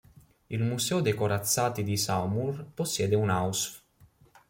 Il Museo dei corazzati di Saumur possiede un Ausf.